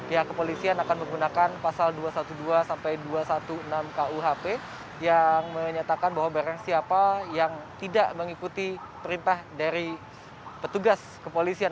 pihak kepolisian akan menggunakan pasal dua ratus dua belas sampai dua ratus enam belas kuhp yang menyatakan bahwa barang siapa yang tidak mengikuti perintah dari petugas kepolisian